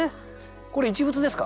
これ一物ですか？